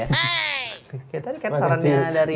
ya tadi kan sarannya dari